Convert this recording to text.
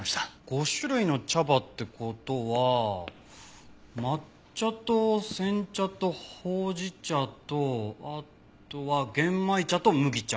５種類の茶葉って事は抹茶と煎茶とほうじ茶とあとは玄米茶と麦茶。